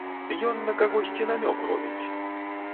Ён на кагосьці намёк робіць!